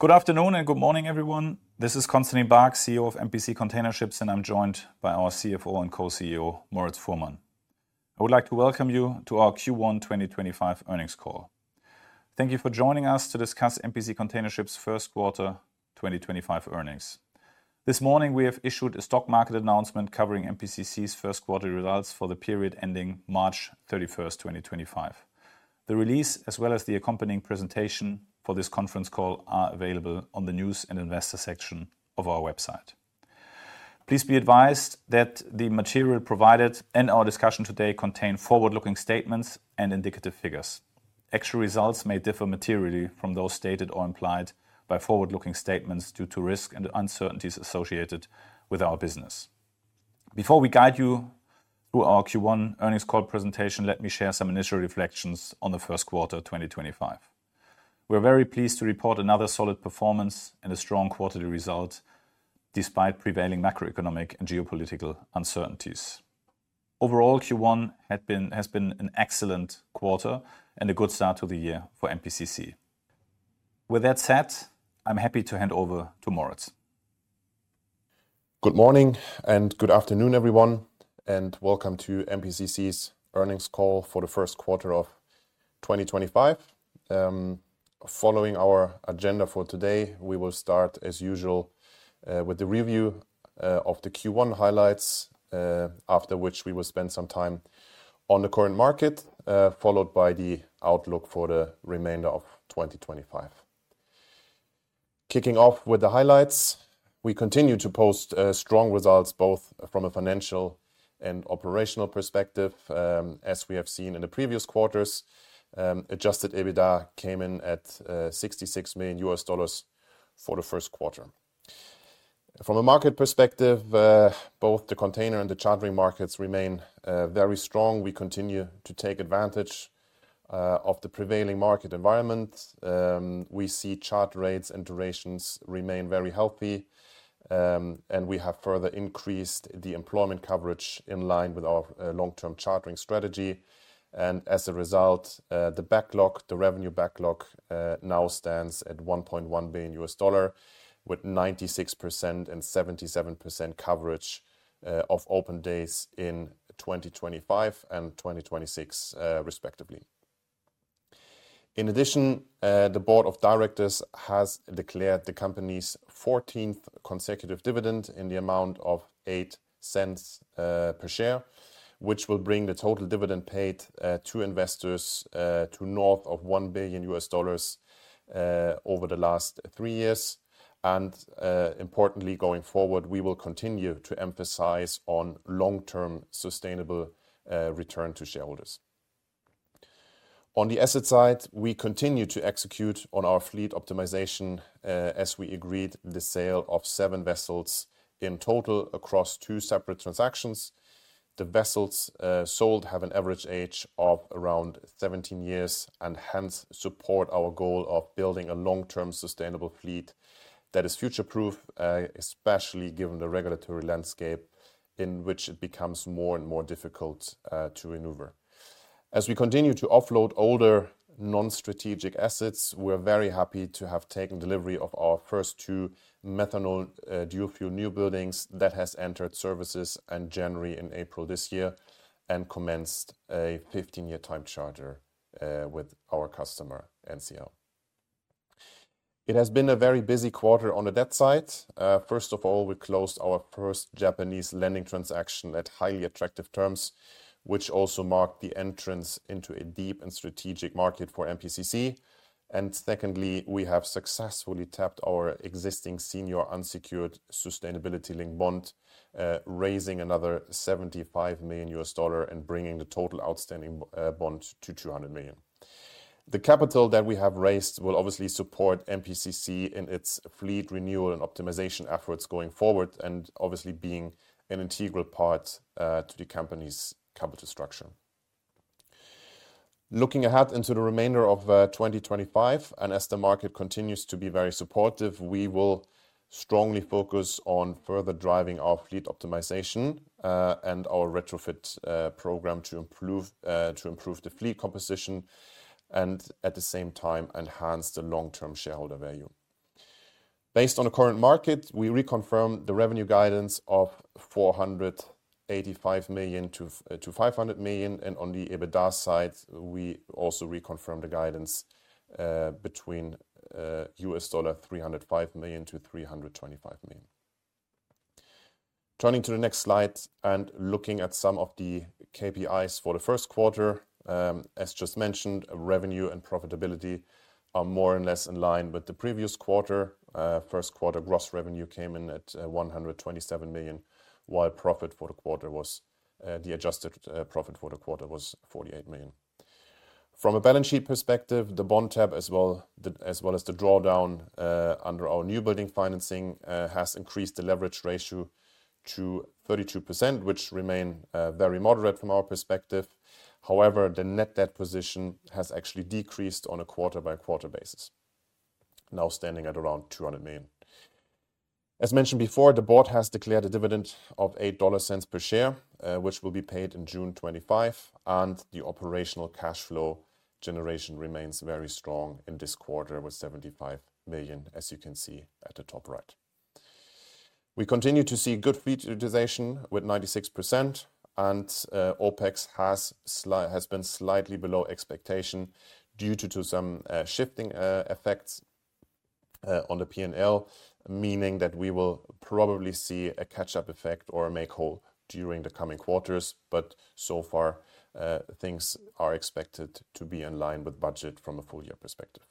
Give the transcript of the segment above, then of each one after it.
Good afternoon and good morning, everyone. This is Constantin Baack, CEO of MPC Container Ships, and I'm joined by our CFO and Co-CEO, Moritz Fuhrmann. I would like to welcome you to our Q1 2025 earnings call. Thank you for joining us to discuss MPC Container Ships' first quarter 2025 earnings. This morning, we have issued a stock market announcement covering MPCC's first quarter results for the period ending March 31, 2025. The release, as well as the accompanying presentation for this conference call, are available on the News and Investor section of our website. Please be advised that the material provided and our discussion today contain forward-looking statements and indicative figures. Actual results may differ materially from those stated or implied by forward-looking statements due to risk and uncertainties associated with our business. Before we guide you through our Q1 earnings call presentation, let me share some initial reflections on the first quarter 2025. We are very pleased to report another solid performance and a strong quarterly result despite prevailing macroeconomic and geopolitical uncertainties. Overall, Q1 has been an excellent quarter and a good start to the year for MPCC. With that said, I'm happy to hand over to Moritz. Good morning and good afternoon, everyone, and welcome to MPCC's earnings call for the first quarter of 2025. Following our agenda for today, we will start, as usual, with the review of the Q1 highlights, after which we will spend some time on the current market, followed by the outlook for the remainder of 2025. Kicking off with the highlights, we continue to post strong results both from a financial and operational perspective, as we have seen in the previous quarters. Adjusted EBITDA came in at $66 million for the first quarter. From a market perspective, both the container and the chartering markets remain very strong. We continue to take advantage of the prevailing market environment. We see charter rates and durations remain very healthy, and we have further increased the employment coverage in line with our long-term chartering strategy. As a result, the revenue backlog now stands at $1.1 billion, with 96% and 77% coverage of open days in 2025 and 2026, respectively. In addition, the Board of Directors has declared the company's 14th consecutive dividend in the amount of $0.08 per share, which will bring the total dividend paid to investors to north of $1 billion over the last three years. Importantly, going forward, we will continue to emphasize long-term sustainable return to shareholders. On the asset side, we continue to execute on our fleet optimization as we agreed the sale of seven vessels in total across two separate transactions. The vessels sold have an average age of around 17 years and hence support our goal of building a long-term sustainable fleet that is future-proof, especially given the regulatory landscape in which it becomes more and more difficult to maneuver. As we continue to offload older non-strategic assets, we are very happy to have taken delivery of our first two methanol dual-fuel new buildings that have entered services in January and April this year and commenced a 15-year time charter with our customer NCL. It has been a very busy quarter on the debt side. First of all, we closed our first Japanese lending transaction at highly attractive terms, which also marked the entrance into a deep and strategic market for MPCC. Second, we have successfully tapped our existing senior unsecured sustainability-linked bond, raising another $75 million and bringing the total outstanding bond to $200 million. The capital that we have raised will obviously support MPCC in its fleet renewal and optimization efforts going forward and obviously being an integral part of the company's capital structure. Looking ahead into the remainder of 2025, and as the market continues to be very supportive, we will strongly focus on further driving our fleet optimization and our retrofit program to improve the fleet composition and at the same time enhance the long-term shareholder value. Based on the current market, we reconfirmed the revenue guidance of $485 million-$500 million, and on the EBITDA side, we also reconfirmed the guidance between $305 million and $325 million. Turning to the next slide and looking at some of the KPIs for the first quarter, as just mentioned, revenue and profitability are more or less in line with the previous quarter. First quarter gross revenue came in at $127 million, while profit for the quarter was, the adjusted profit for the quarter was $48 million. From a balance sheet perspective, the bond tab, as well as the drawdown under our new building financing, has increased the leverage ratio to 32%, which remains very moderate from our perspective. However, the net debt position has actually decreased on a quarter-by-quarter basis, now standing at around $200 million. As mentioned before, the board has declared a dividend of $8 per share, which will be paid in June 2025, and the operational cash flow generation remains very strong in this quarter with $75 million, as you can see at the top right. We continue to see good futurization with 96%, and OPEX has been slightly below expectation due to some shifting effects on the P&L, meaning that we will probably see a catch-up effect or a make-hole during the coming quarters, but so far, things are expected to be in line with budget from a full-year perspective.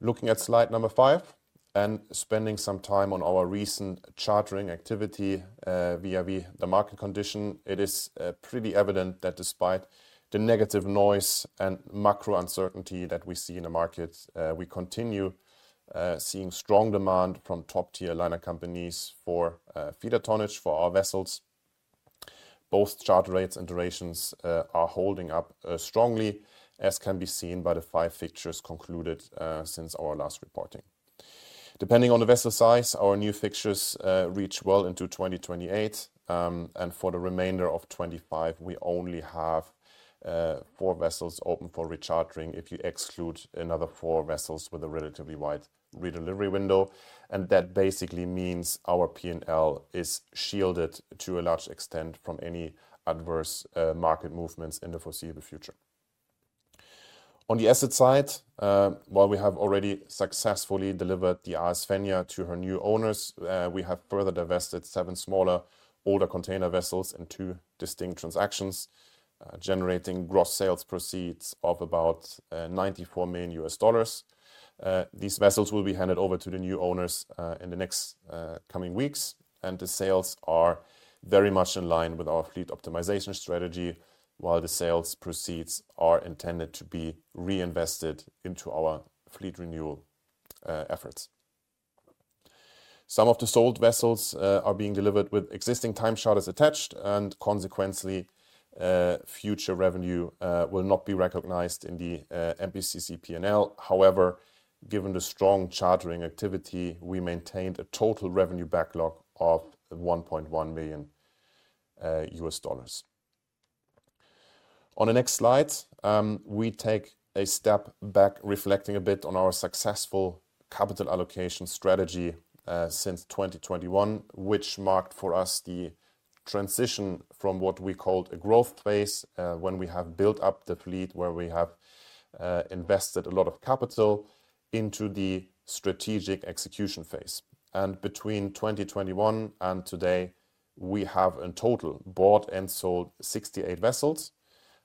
Looking at slide number five and spending some time on our recent chartering activity via the market condition, it is pretty evident that despite the negative noise and macro uncertainty that we see in the market, we continue seeing strong demand from top-tier liner companies for feeder tonnage for our vessels. Both charter rates and durations are holding up strongly, as can be seen by the five fixtures concluded since our last reporting. Depending on the vessel size, our new fixtures reach well into 2028, and for the remainder of 2025, we only have four vessels open for rechartering if you exclude another four vessels with a relatively wide redelivery window, and that basically means our P&L is shielded to a large extent from any adverse market movements in the foreseeable future. On the asset side, while we have already successfully delivered the AS Venia to her new owners, we have further divested seven smaller older container vessels in two distinct transactions, generating gross sales proceeds of about $94 million. These vessels will be handed over to the new owners in the next coming weeks, and the sales are very much in line with our fleet optimization strategy, while the sales proceeds are intended to be reinvested into our fleet renewal efforts. Some of the sold vessels are being delivered with existing time charters attached, and consequently, future revenue will not be recognized in the MPCC P&L. However, given the strong chartering activity, we maintained a total revenue backlog of $1.1 million. On the next slide, we take a step back, reflecting a bit on our successful capital allocation strategy since 2021, which marked for us the transition from what we called a growth phase when we have built up the fleet where we have invested a lot of capital into the strategic execution phase. Between 2021 and today, we have in total bought and sold 68 vessels,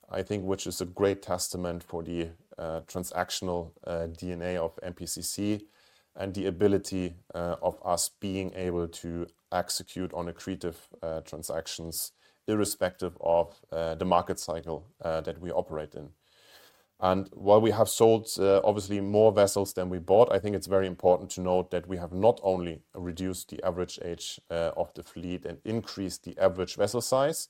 I think, which is a great testament for the transactional DNA of MPCC and the ability of us being able to execute on accretive transactions irrespective of the market cycle that we operate in. While we have sold obviously more vessels than we bought, I think it is very important to note that we have not only reduced the average age of the fleet and increased the average vessel size,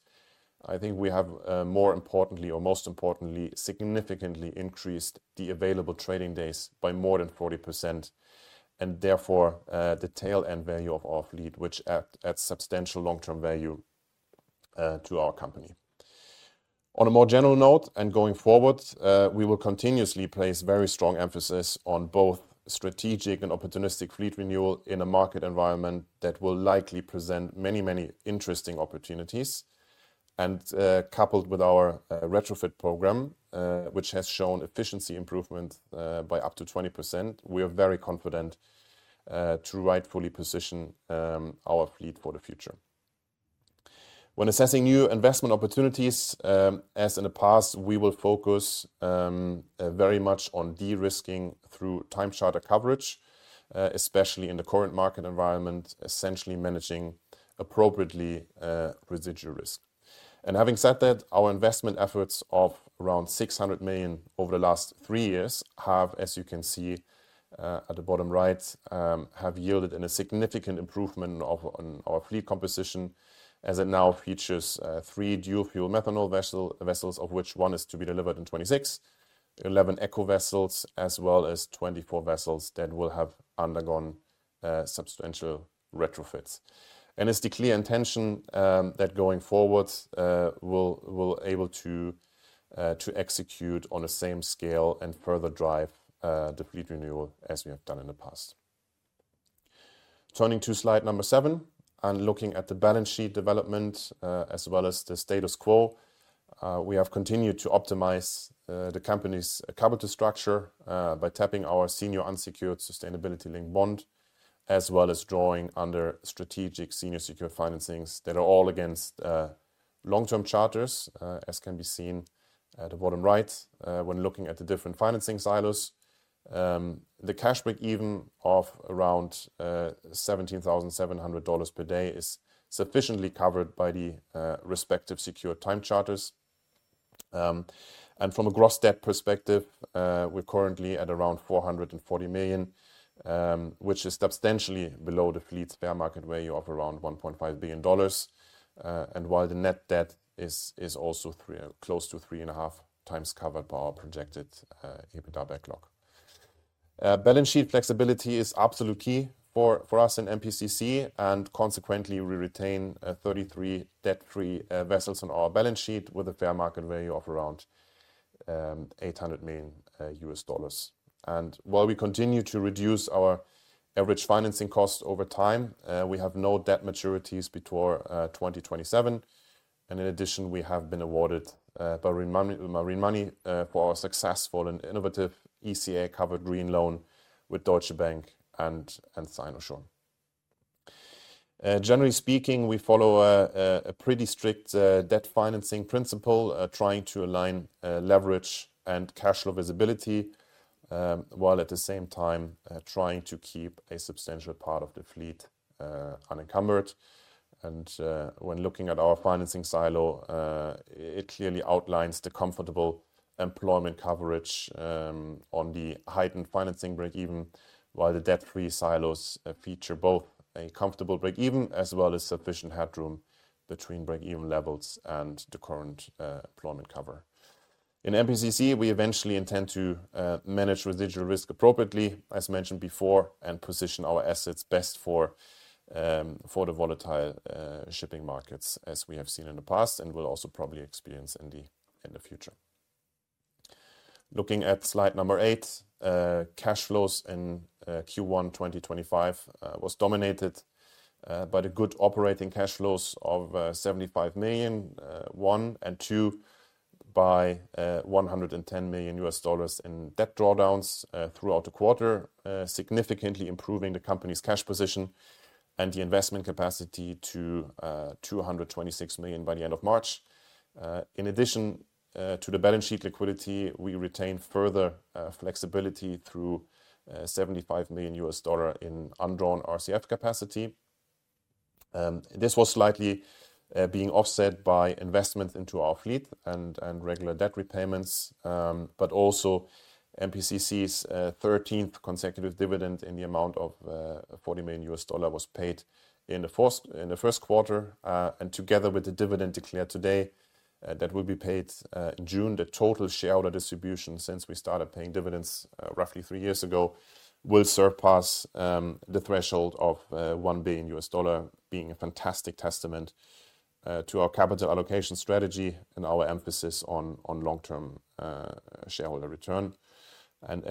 I think we have, more importantly, or most importantly, significantly increased the available trading days by more than 40%, and therefore the tail end value of our fleet, which adds substantial long-term value to our company. On a more general note, going forward, we will continuously place very strong emphasis on both strategic and opportunistic fleet renewal in a market environment that will likely present many, many interesting opportunities. Coupled with our retrofit program, which has shown efficiency improvement by up to 20%, we are very confident to rightfully position our fleet for the future. When assessing new investment opportunities, as in the past, we will focus very much on de-risking through time charter coverage, especially in the current market environment, essentially managing appropriately residual risk. Having said that, our investment efforts of around $600 million over the last three years have, as you can see at the bottom right, yielded a significant improvement in our fleet composition as it now features three methanol dual-fuel vessels, of which one is to be delivered in 2026, 11 eco-vessels, as well as 24 vessels that will have undergone substantial retrofits. It is the clear intention that going forward we will be able to execute on the same scale and further drive the fleet renewal as we have done in the past. Turning to slide number seven and looking at the balance sheet development as well as the status quo, we have continued to optimize the company's capital structure by tapping our senior unsecured sustainability-linked bond, as well as drawing under strategic senior secure financings that are all against long-term charters, as can be seen at the bottom right when looking at the different financing silos. The cash break even of around $17,700 per day is sufficiently covered by the respective secure time charters. From a gross debt perspective, we're currently at around $440 million, which is substantially below the fleet's fair market value of around $1.5 billion. While the net debt is also close to three and a half times covered by our projected EBITDA backlog. Balance sheet flexibility is absolutely key for us in MPCC, and consequently, we retain 33 debt-free vessels on our balance sheet with a fair market value of around $800 million. While we continue to reduce our average financing cost over time, we have no debt maturities before 2027. In addition, we have been awarded Bahrain Marine Money for our successful and innovative ECA-covered green loan with Deutsche Bank and Sinoshorn. Generally speaking, we follow a pretty strict debt financing principle, trying to align leverage and cash flow visibility, while at the same time trying to keep a substantial part of the fleet unencumbered. When looking at our financing silo, it clearly outlines the comfortable employment coverage on the heightened financing break-even, while the debt-free silos feature both a comfortable break-even as well as sufficient headroom between break-even levels and the current employment cover. In MPCC, we eventually intend to manage residual risk appropriately, as mentioned before, and position our assets best for the volatile shipping markets, as we have seen in the past and will also probably experience in the future. Looking at slide number eight, cash flows in Q1 2025 were dominated by the good operating cash flows of $75 million, one and two by $110 million in debt drawdowns throughout the quarter, significantly improving the company's cash position and the investment capacity to $226 million by the end of March. In addition to the balance sheet liquidity, we retained further flexibility through $75 million in undrawn RCF capacity. This was slightly being offset by investments into our fleet and regular debt repayments, but also MPCC's 13th consecutive dividend in the amount of $40 million was paid in the first quarter. Together with the dividend declared today that will be paid in June, the total shareholder distribution since we started paying dividends roughly three years ago will surpass the threshold of $1 billion, being a fantastic testament to our capital allocation strategy and our emphasis on long-term shareholder return.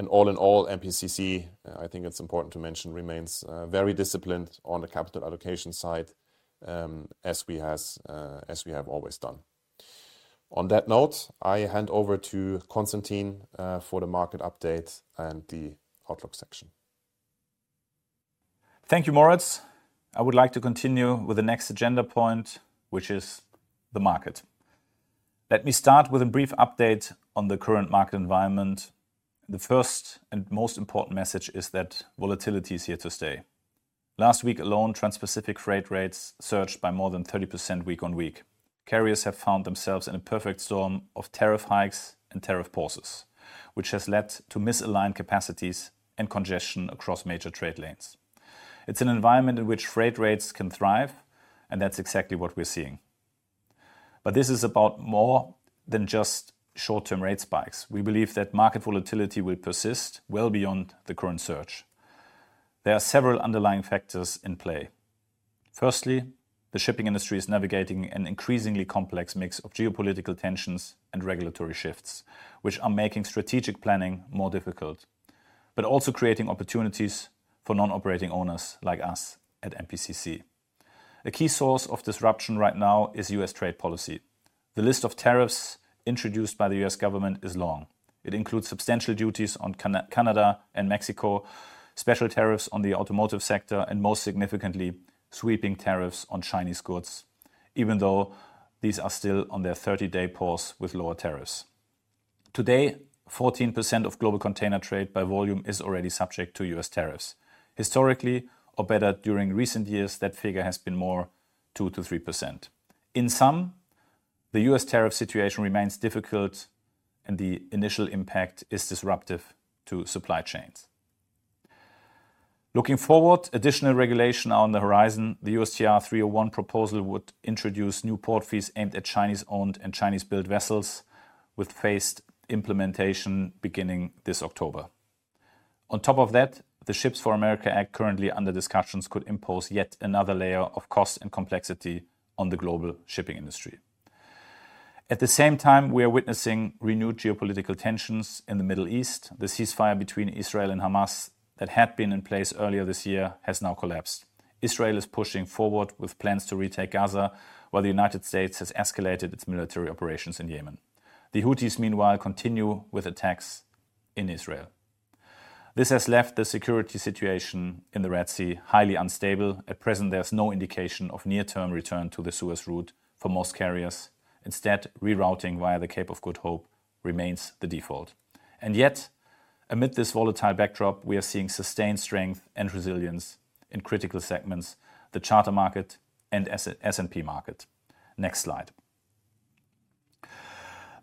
All in all, MPCC, I think it is important to mention, remains very disciplined on the capital allocation side, as we have always done. On that note, I hand over to Constantin for the market update and the outlook section. Thank you, Moritz. I would like to continue with the next agenda point, which is the market. Let me start with a brief update on the current market environment. The first and most important message is that volatility is here to stay. Last week alone, Trans-Pacific freight rates surged by more than 30% week on week. Carriers have found themselves in a perfect storm of tariff hikes and tariff pauses, which has led to misaligned capacities and congestion across major trade lanes. It is an environment in which freight rates can thrive, and that is exactly what we are seeing. This is about more than just short-term rate spikes. We believe that market volatility will persist well beyond the current surge. There are several underlying factors in play. Firstly, the shipping industry is navigating an increasingly complex mix of geopolitical tensions and regulatory shifts, which are making strategic planning more difficult, but also creating opportunities for non-operating owners like us at MPCC. A key source of disruption right now is U.S. trade policy. The list of tariffs introduced by the U.S. government is long. It includes substantial duties on Canada and Mexico, special tariffs on the automotive sector, and most significantly, sweeping tariffs on Chinese goods, even though these are still on their 30-day pause with lower tariffs. Today, 14% of global container trade by volume is already subject to U.S. tariffs. Historically, or better, during recent years, that figure has been more 2%-3%. In sum, the U.S. tariff situation remains difficult, and the initial impact is disruptive to supply chains. Looking forward, additional regulation is now on the horizon. The USTR 301 proposal would introduce new port fees aimed at Chinese-owned and Chinese-built vessels, with phased implementation beginning this October. On top of that, the Ships for America Act currently under discussions could impose yet another layer of cost and complexity on the global shipping industry. At the same time, we are witnessing renewed geopolitical tensions in the Middle East. The ceasefire between Israel and Hamas that had been in place earlier this year has now collapsed. Israel is pushing forward with plans to retake Gaza, while the United States has escalated its military operations in Yemen. The Houthis, meanwhile, continue with attacks in Israel. This has left the security situation in the Red Sea highly unstable. At present, there is no indication of near-term return to the Suez route for most carriers. Instead, rerouting via the Cape of Good Hope remains the default. Yet, amid this volatile backdrop, we are seeing sustained strength and resilience in critical segments, the charter market and S&P market. Next slide.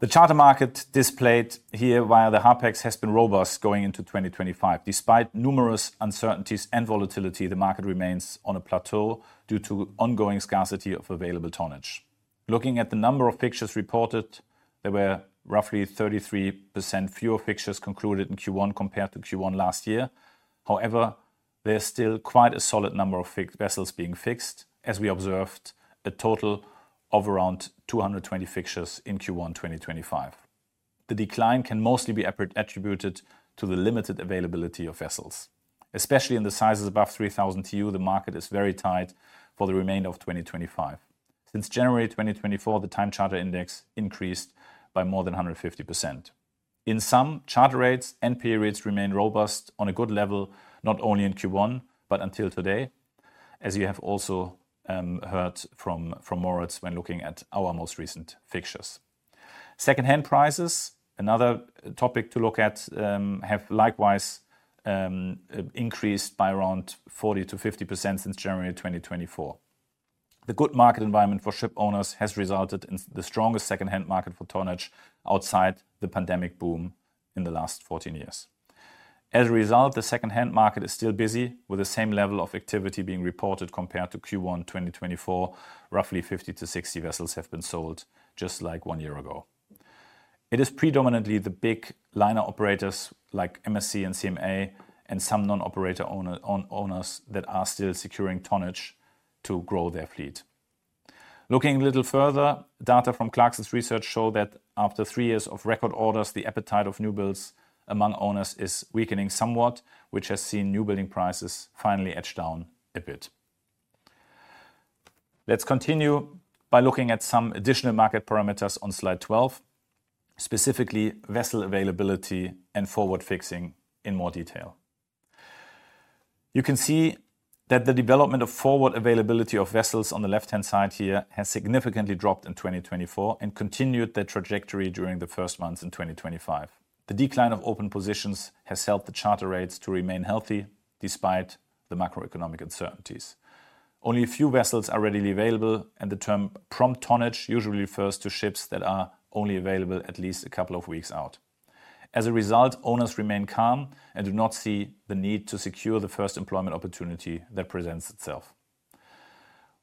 The charter market displayed here via the HARPEX has been robust going into 2025. Despite numerous uncertainties and volatility, the market remains on a plateau due to ongoing scarcity of available tonnage. Looking at the number of fixtures reported, there were roughly 33% fewer fixtures concluded in Q1 compared to Q1 last year. However, there is still quite a solid number of vessels being fixed, as we observed a total of around 220 fixtures in Q1 2025. The decline can mostly be attributed to the limited availability of vessels, especially in the sizes above 3,000 TEU. The market is very tight for the remainder of 2025. Since January 2024, the time charter index increased by more than 150%. In sum, charter rates and periods remain robust on a good level, not only in Q1, but until today, as you have also heard from Moritz when looking at our most recent fixtures. Second-hand prices, another topic to look at, have likewise increased by around 40%-50% since January 2024. The good market environment for ship owners has resulted in the strongest second-hand market for tonnage outside the pandemic boom in the last 14 years. As a result, the second-hand market is still busy, with the same level of activity being reported compared to Q1 2024. Roughly 50%-60% vessels have been sold, just like one year ago. It is predominantly the big liner operators like MSC and CMA and some non-operator owners that are still securing tonnage to grow their fleet. Looking a little further, data from Clarksons Research show that after three years of record orders, the appetite of new builds among owners is weakening somewhat, which has seen new building prices finally edge down a bit. Let's continue by looking at some additional market parameters on slide 12, specifically vessel availability and forward fixing in more detail. You can see that the development of forward availability of vessels on the left-hand side here has significantly dropped in 2024 and continued that trajectory during the first months in 2025. The decline of open positions has helped the charter rates to remain healthy despite the macroeconomic uncertainties. Only a few vessels are readily available, and the term prompt tonnage usually refers to ships that are only available at least a couple of weeks out. As a result, owners remain calm and do not see the need to secure the first employment opportunity that presents itself.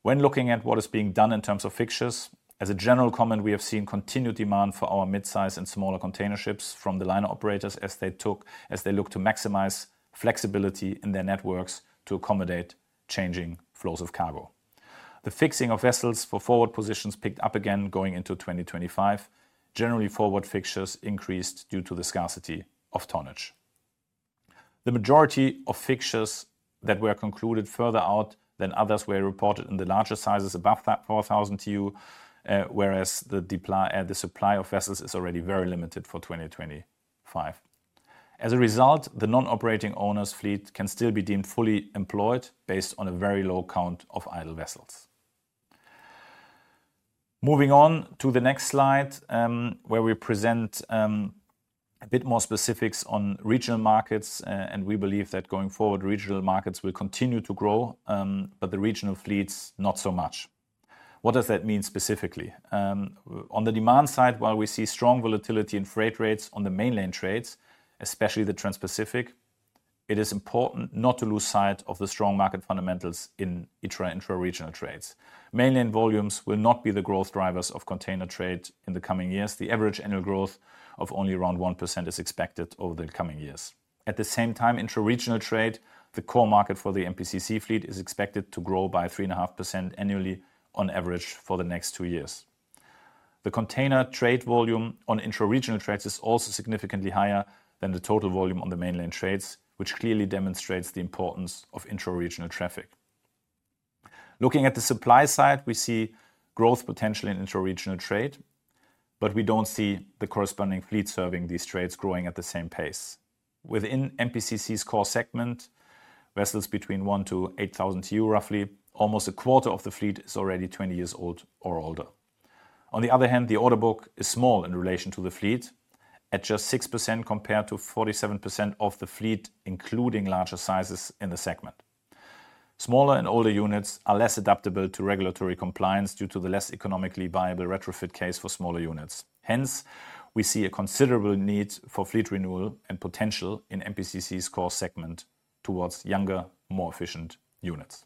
When looking at what is being done in terms of fixtures, as a general comment, we have seen continued demand for our mid-size and smaller container ships from the liner operators as they look to maximize flexibility in their networks to accommodate changing flows of cargo. The fixing of vessels for forward positions picked up again going into 2025. Generally, forward fixtures increased due to the scarcity of tonnage. The majority of fixtures that were concluded further out than others were reported in the larger sizes above 4,000 TEU, whereas the supply of vessels is already very limited for 2025. As a result, the non-operating owners' fleet can still be deemed fully employed based on a very low count of idle vessels. Moving on to the next slide, where we present a bit more specifics on regional markets, and we believe that going forward, regional markets will continue to grow, but the regional fleets not so much. What does that mean specifically?. On the demand side, while we see strong volatility in freight rates on the mainline trades, especially the Trans-Pacific, it is important not to lose sight of the strong market fundamentals in intra- and intra-regional trades. Mainline volumes will not be the growth drivers of container trade in the coming years. The average annual growth of only around 1% is expected over the coming years. At the same time, intra-regional trade, the core market for the MPCC fleet, is expected to grow by 3.5% annually on average for the next two years. The container trade volume on intra-regional trades is also significantly higher than the total volume on the mainline trades, which clearly demonstrates the importance of intra-regional traffic. Looking at the supply side, we see growth potential in intra-regional trade, but we don't see the corresponding fleet serving these trades growing at the same pace. Within MPCC's core segment, vessels between 1,000 to 8,000 TEU, roughly almost a quarter of the fleet is already 20 years old or older. On the other hand, the order book is small in relation to the fleet, at just 6% compared to 47% of the fleet, including larger sizes in the segment. Smaller and older units are less adaptable to regulatory compliance due to the less economically viable retrofit case for smaller units. Hence, we see a considerable need for fleet renewal and potential in MPCC's core segment towards younger, more efficient units.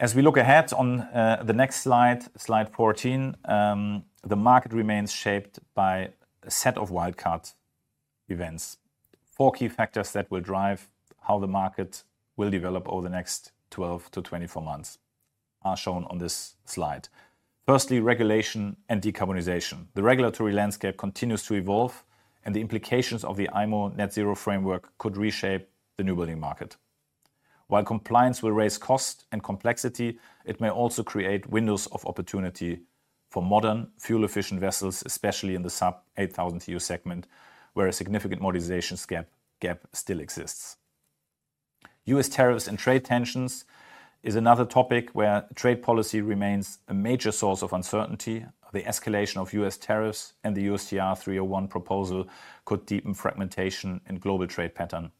As we look ahead on the next slide, slide 14, the market remains shaped by a set of wildcard events. Four key factors that will drive how the market will develop over the next 12-24 months are shown on this slide. Firstly, regulation and decarbonization. The regulatory landscape continues to evolve, and the implications of the IMO Net Zero Framework could reshape the new building market. While compliance will raise cost and complexity, it may also create windows of opportunity for modern fuel-efficient vessels, especially in the sub-8,000 TEU segment, where a significant modernization gap still exists. U.S. tariffs and trade tensions is another topic where trade policy remains a major source of uncertainty. The escalation of U.S. tariffs and the USTR 301 proposal could deepen fragmentation in global trade pattern.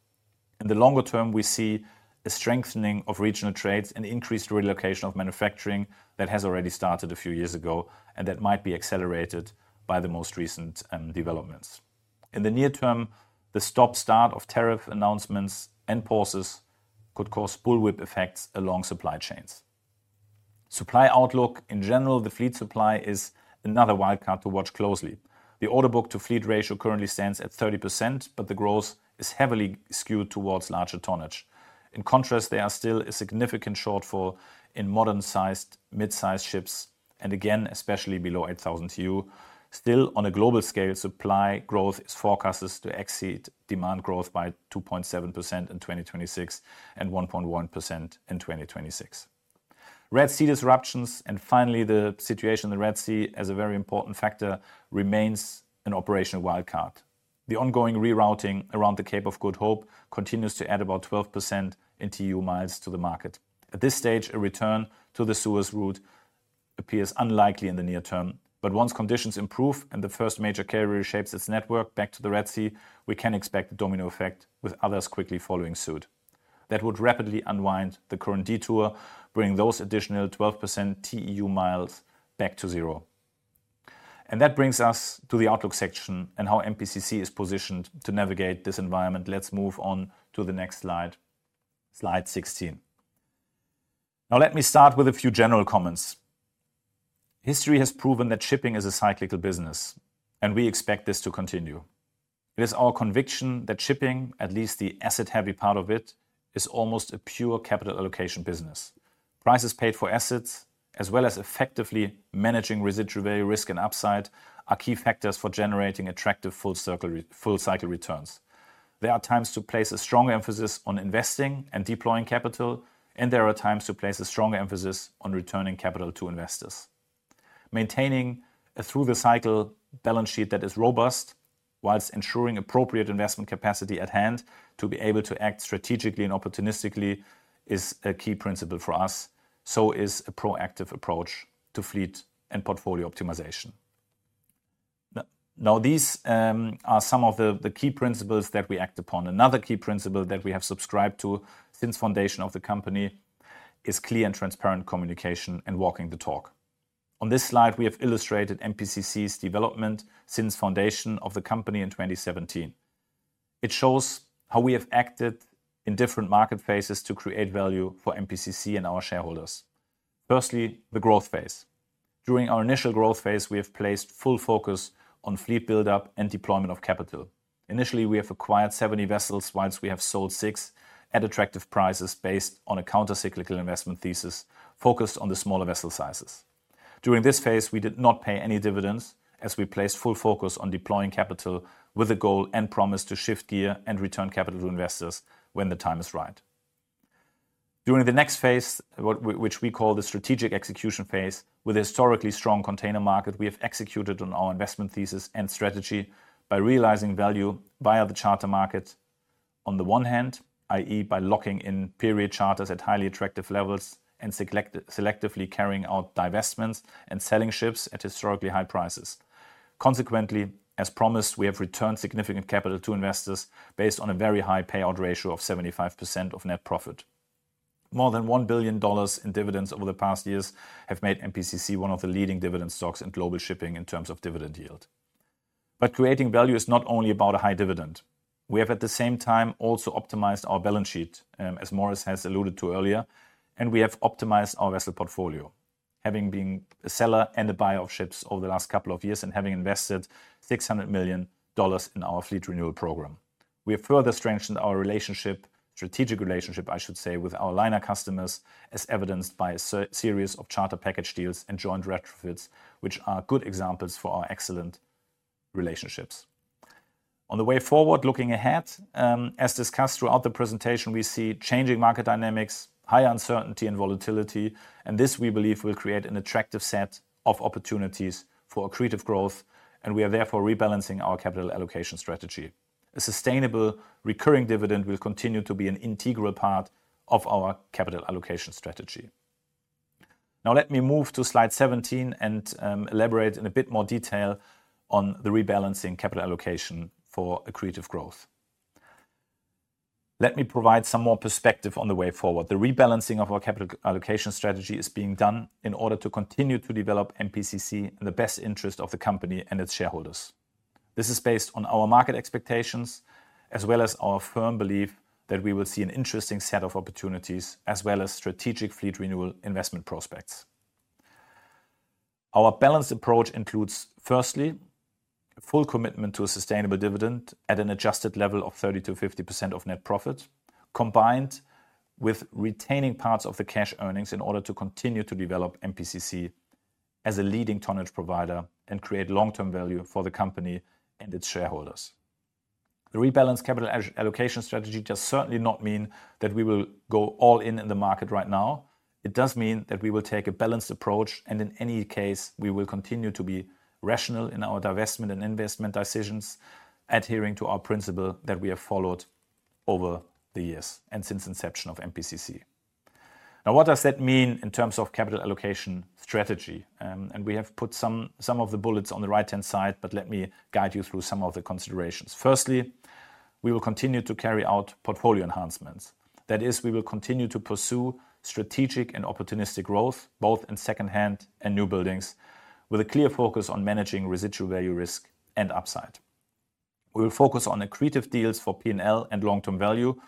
In the longer term, we see a strengthening of regional trades and increased relocation of manufacturing that has already started a few years ago and that might be accelerated by the most recent developments. In the near term, the stop-start of tariff announcements and pauses could cause bullwhip effects along supply chains. Supply outlook in general, the fleet supply is another wildcard to watch closely. The order book to fleet ratio currently stands at 30%, but the growth is heavily skewed towards larger tonnage. In contrast, there is still a significant shortfall in modern-sized, mid-sized ships, and again, especially below 8,000 TEU. Still, on a global scale, supply growth is forecast to exceed demand growth by 2.7% in 2026 and 1.1% in 2026. Red Sea disruptions, and finally, the situation in the Red Sea as a very important factor remains an operational wildcard. The ongoing rerouting around the Cape of Good Hope continues to add about 12% in TEU miles to the market. At this stage, a return to the Suez route appears unlikely in the near term, but once conditions improve and the first major carrier shapes its network back to the Red Sea, we can expect the domino effect with others quickly following suit. That would rapidly unwind the current detour, bringing those additional 12% TEU miles back to zero. That brings us to the outlook section and how MPCC is positioned to navigate this environment. Let's move on to the next slide, slide 16. Now, let me start with a few general comments. History has proven that shipping is a cyclical business, and we expect this to continue. It is our conviction that shipping, at least the asset-heavy part of it, is almost a pure capital allocation business. Prices paid for assets, as well as effectively managing residual value risk and upside, are key factors for generating attractive full-cycle returns. There are times to place a strong emphasis on investing and deploying capital, and there are times to place a strong emphasis on returning capital to investors. Maintaining a through-the-cycle balance sheet that is robust, whilst ensuring appropriate investment capacity at hand to be able to act strategically and opportunistically, is a key principle for us. So is a proactive approach to fleet and portfolio optimization. Now, these are some of the key principles that we act upon. Another key principle that we have subscribed to since the foundation of the company is clear and transparent communication and walking the talk. On this slide, we have illustrated MPCC's development since the foundation of the company in 2017. It shows how we have acted in different market phases to create value for MPCC and our shareholders. Firstly, the growth phase. During our initial growth phase, we have placed full focus on fleet buildup and deployment of capital. Initially, we have acquired 70 vessels, whilst we have sold six at attractive prices based on a counter-cyclical investment thesis focused on the smaller vessel sizes. During this phase, we did not pay any dividends as we placed full focus on deploying capital with the goal and promise to shift gear and return capital to investors when the time is right. During the next phase, which we call the strategic execution phase, with a historically strong container market, we have executed on our investment thesis and strategy by realizing value via the charter market. On the one hand, i.e., by locking in period charters at highly attractive levels and selectively carrying out divestments and selling ships at historically high prices. Consequently, as promised, we have returned significant capital to investors based on a very high payout ratio of 75% of net profit. More than $1 billion in dividends over the past years have made MPCC one of the leading dividend stocks in global shipping in terms of dividend yield. Creating value is not only about a high dividend. We have at the same time also optimized our balance sheet, as Moritz has alluded to earlier, and we have optimized our vessel portfolio, having been a seller and a buyer of ships over the last couple of years and having invested $600 million in our fleet renewal program. We have further strengthened our relationship, strategic relationship, I should say, with our liner customers, as evidenced by a series of charter package deals and joint retrofits, which are good examples for our excellent relationships. On the way forward, looking ahead, as discussed throughout the presentation, we see changing market dynamics, high uncertainty and volatility, and this we believe will create an attractive set of opportunities for accretive growth, and we are therefore rebalancing our capital allocation strategy. A sustainable recurring dividend will continue to be an integral part of our capital allocation strategy. Now, let me move to slide 17 and elaborate in a bit more detail on the rebalancing capital allocation for accretive growth. Let me provide some more perspective on the way forward. The rebalancing of our capital allocation strategy is being done in order to continue to develop MPCC in the best interest of the company and its shareholders. This is based on our market expectations, as well as our firm belief that we will see an interesting set of opportunities, as well as strategic fleet renewal investment prospects. Our balanced approach includes, firstly, full commitment to a sustainable dividend at an adjusted level of 30%-50% of net profit, combined with retaining parts of the cash earnings in order to continue to develop MPCC as a leading tonnage provider and create long-term value for the company and its shareholders. The rebalanced capital allocation strategy does certainly not mean that we will go all in in the market right now. It does mean that we will take a balanced approach, and in any case, we will continue to be rational in our divestment and investment decisions, adhering to our principle that we have followed over the years and since the inception of MPCC. Now, what does that mean in terms of capital allocation strategy?. We have put some of the bullets on the right-hand side, but let me guide you through some of the considerations. Firstly, we will continue to carry out portfolio enhancements. That is, we will continue to pursue strategic and opportunistic growth, both in second-hand and new buildings, with a clear focus on managing residual value risk and upside. We will focus on accretive deals for P&L and long-term value,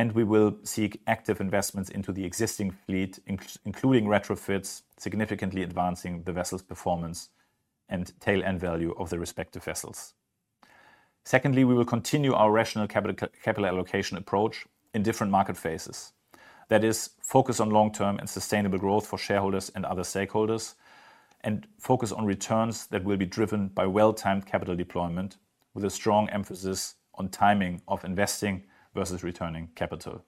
and we will seek active investments into the existing fleet, including retrofits, significantly advancing the vessel's performance and tail-end value of the respective vessels. Secondly, we will continue our rational capital allocation approach in different market phases. That is, focus on long-term and sustainable growth for shareholders and other stakeholders, and focus on returns that will be driven by well-timed capital deployment, with a strong emphasis on timing of investing versus returning capital.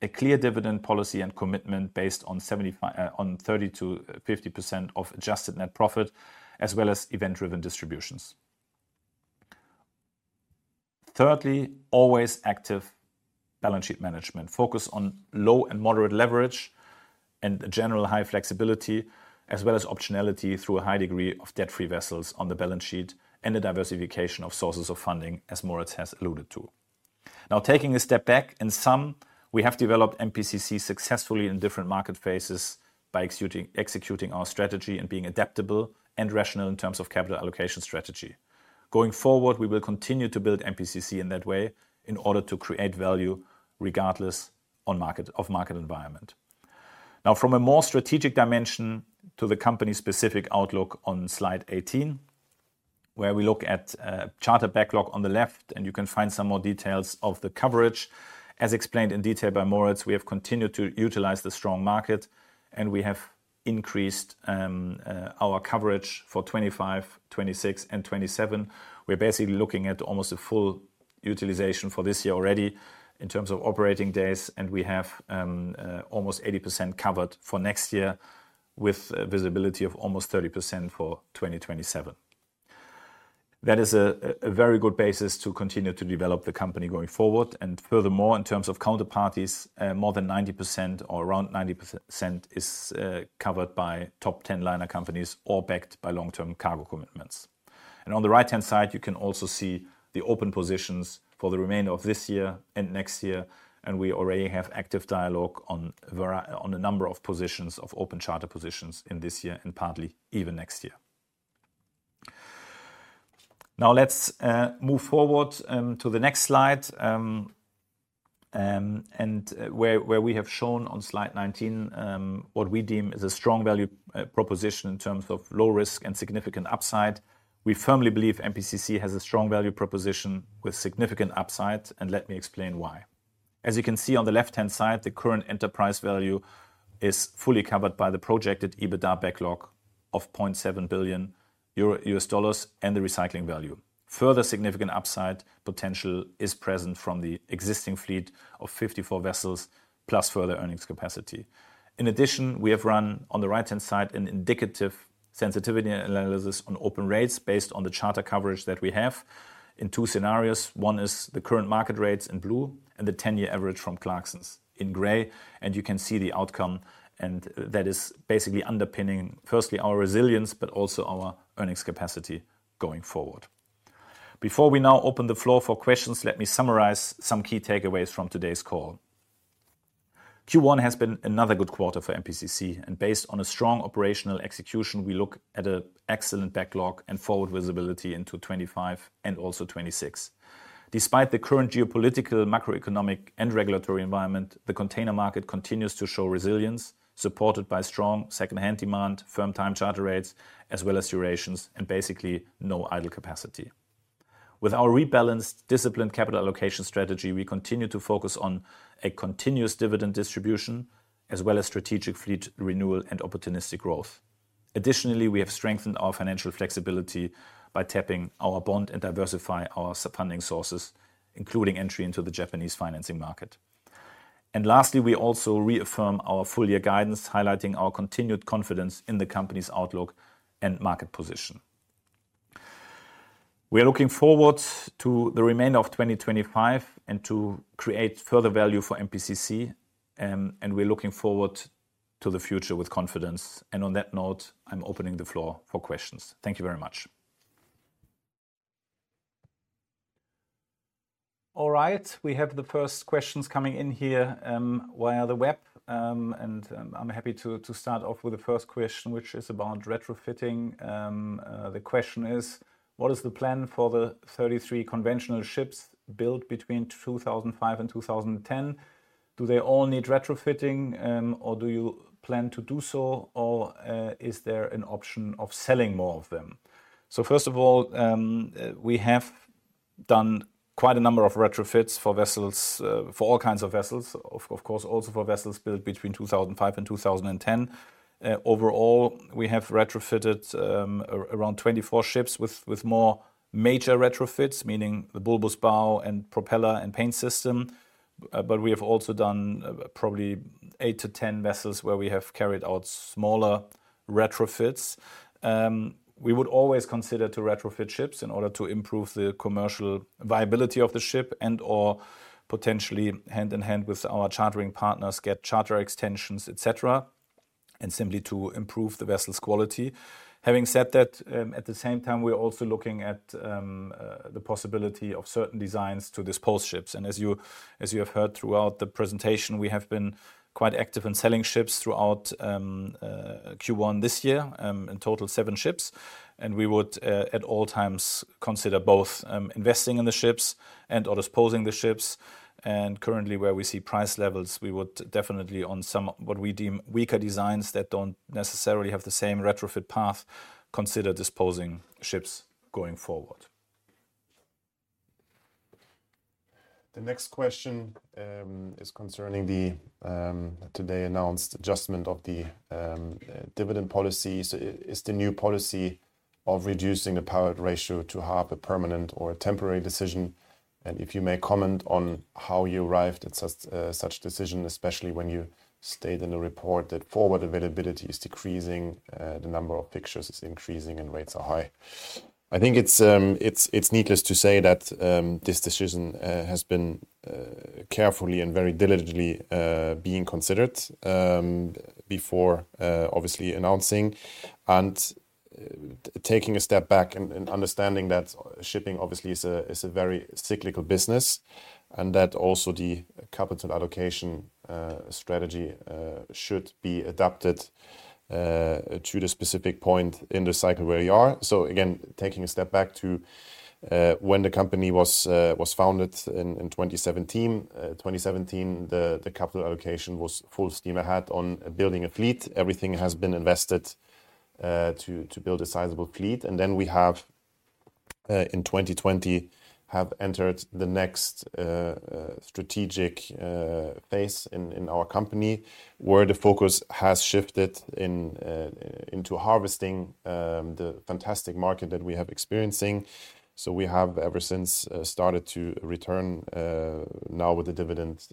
A clear dividend policy and commitment based on 30%-50% of adjusted net profit, as well as event-driven distributions. Thirdly, always active balance sheet management. Focus on low and moderate leverage and general high flexibility, as well as optionality through a high degree of debt-free vessels on the balance sheet and the diversification of sources of funding, as Moritz has alluded to. Now, taking a step back, in sum, we have developed MPCC successfully in different market phases by executing our strategy and being adaptable and rational in terms of capital allocation strategy. Going forward, we will continue to build MPCC in that way in order to create value regardless of market environment. Now, from a more strategic dimension to the company-specific outlook on slide 18, where we look at charter backlog on the left, and you can find some more details of the coverage. As explained in detail by Moritz, we have continued to utilize the strong market, and we have increased our coverage for 2025, 2026, and 2027. We are basically looking at almost a full utilization for this year already in terms of operating days, and we have almost 80% covered for next year with visibility of almost 30% for 2027. That is a very good basis to continue to develop the company going forward. Furthermore, in terms of counterparties, more than 90% or around 90% is covered by top 10 liner companies or backed by long-term cargo commitments. On the right-hand side, you can also see the open positions for the remainder of this year and next year, and we already have active dialogue on a number of open charter positions in this year and partly even next year. Now, let's move forward to the next slide, where we have shown on slide 19 what we deem is a strong value proposition in terms of low risk and significant upside. We firmly believe MPCC has a strong value proposition with significant upside, and let me explain why. As you can see on the left-hand side, the current enterprise value is fully covered by the projected EBITDA backlog of $0.7 billion and the recycling value. Further significant upside potential is present from the existing fleet of 54 vessels plus further earnings capacity. In addition, we have run on the right-hand side an indicative sensitivity analysis on open rates based on the charter coverage that we have in two scenarios. One is the current market rates in blue and the 10-year average from Clarksons in gray, and you can see the outcome, and that is basically underpinning firstly our resilience, but also our earnings capacity going forward. Before we now open the floor for questions, let me summarize some key takeaways from today's call. Q1 has been another good quarter for MPCC, and based on a strong operational execution, we look at an excellent backlog and forward visibility into 2025 and also 2026. Despite the current geopolitical, macroeconomic, and regulatory environment, the container market continues to show resilience supported by strong second-hand demand, firm time charter rates, as well as durations, and basically no idle capacity. With our rebalanced, disciplined capital allocation strategy, we continue to focus on a continuous dividend distribution, as well as strategic fleet renewal and opportunistic growth. Additionally, we have strengthened our financial flexibility by tapping our bond and diversifying our funding sources, including entry into the Japanese financing market. Lastly, we also reaffirm our full-year guidance, highlighting our continued confidence in the company's outlook and market position. We are looking forward to the remainder of 2025 and to create further value for MPCC, and we are looking forward to the future with confidence. On that note, I'm opening the floor for questions. Thank you very much. All right, we have the first questions coming in here via the web, and I'm happy to start off with the first question, which is about retrofitting. The question is, what is the plan for the 33 conventional ships built between 2005 and 2010? Do they all need retrofitting, or do you plan to do so, or is there an option of selling more of them? First of all, we have done quite a number of retrofits for vessels, for all kinds of vessels, of course, also for vessels built between 2005 and 2010. Overall, we have retrofitted around 24 ships with more major retrofits, meaning the bulbous bow and propeller and paint system, but we have also done probably 8-10 vessels where we have carried out smaller retrofits. We would always consider retrofitting ships in order to improve the commercial viability of the ship and/or potentially hand in hand with our chartering partners, get charter extensions, etc., and simply to improve the vessel's quality. Having said that, at the same time, we are also looking at the possibility of certain designs to dispose ships. As you have heard throughout the presentation, we have been quite active in selling ships throughout Q1 this year, in total seven ships, and we would at all times consider both investing in the ships and/or disposing of the ships. Currently, where we see price levels, we would definitely on some what we deem weaker designs that do not necessarily have the same retrofit path, consider disposing ships going forward. The next question is concerning the today announced adjustment of the dividend policy. Is the new policy of reducing the payout ratio to half a permanent or a temporary decision?. If you may comment on how you arrived at such a decision, especially when you stated in the report that forward availability is decreasing, the number of fixtures is increasing, and rates are high. I think it's needless to say that this decision has been carefully and very diligently considered before, obviously, announcing and taking a step back and understanding that shipping obviously is a very cyclical business and that also the capital allocation strategy should be adapted to the specific point in the cycle where you are. Again, taking a step back to when the company was founded in 2017, the capital allocation was full steam ahead on building a fleet. Everything has been invested to build a sizable fleet. In 2020, have entered the next strategic phase in our company where the focus has shifted into harvesting the fantastic market that we have been experiencing. We have ever since started to return, now with the dividend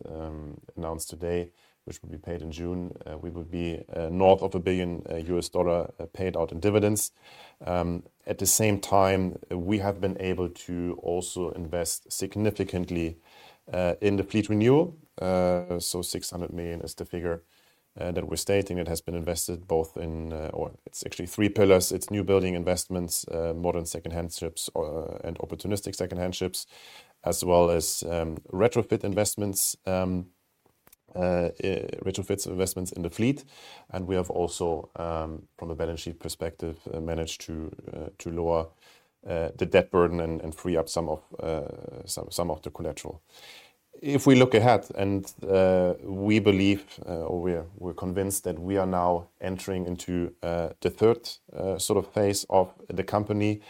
announced today, which will be paid in June. We will be north of $1 billion paid out in dividends. At the same time, we have been able to also invest significantly in the fleet renewal. $600 million is the figure that we are stating that has been invested both in, or it is actually three pillars. It is new building investments, modern second-hand ships, and opportunistic second-hand ships, as well as retrofit investments in the fleet. We have also, from a balance sheet perspective, managed to lower the debt burden and free up some of the collateral. If we look ahead, and we believe, or we're convinced that we are now entering into the third sort of phase of the company,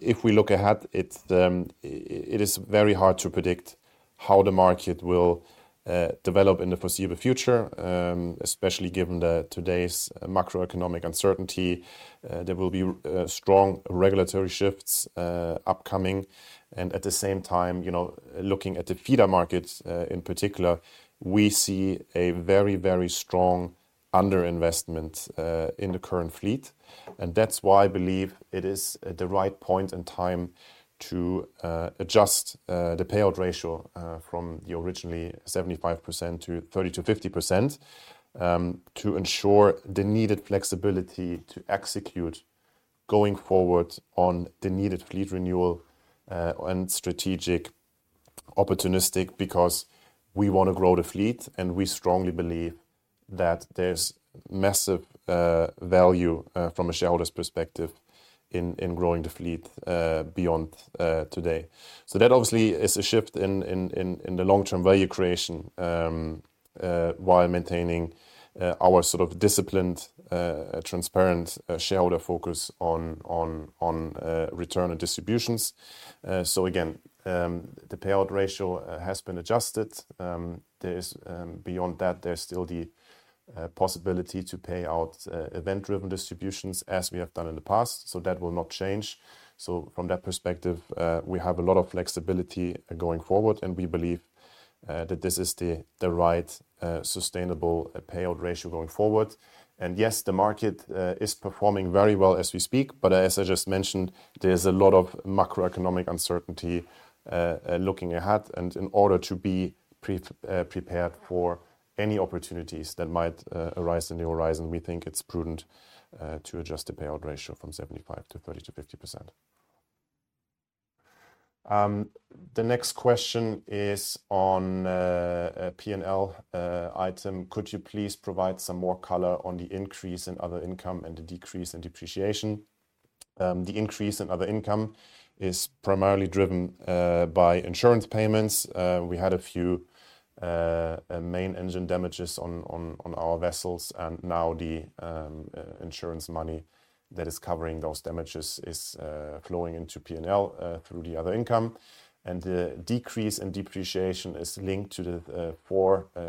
if we look ahead, it is very hard to predict how the market will develop in the foreseeable future, especially given today's macroeconomic uncertainty. There will be strong regulatory shifts upcoming. At the same time, looking at the feeder market in particular, we see a very, very strong underinvestment in the current fleet. That's why I believe it is the right point in time to adjust the payout ratio from the originally 75%-30%,50% to ensure the needed flexibility to execute going forward on the needed fleet renewal and strategic opportunistic because we want to grow the fleet. We strongly believe that there's massive value from a shareholder's perspective in growing the fleet beyond today. That obviously is a shift in the long-term value creation while maintaining our sort of disciplined, transparent shareholder focus on return and distributions. Again, the payout ratio has been adjusted. Beyond that, there is still the possibility to pay out event-driven distributions as we have done in the past. That will not change. From that perspective, we have a lot of flexibility going forward, and we believe that this is the right sustainable payout ratio going forward. Yes, the market is performing very well as we speak, but as I just mentioned, there is a lot of macroeconomic uncertainty looking ahead. In order to be prepared for any opportunities that might arise on the horizon, we think it is prudent to adjust the payout ratio from 75%-30%,50%. The next question is on a P&L item. Could you please provide some more color on the increase in other income and the decrease in depreciation?. The increase in other income is primarily driven by insurance payments. We had a few main engine damages on our vessels, and now the insurance money that is covering those damages is flowing into P&L through the other income. The decrease in depreciation is linked to the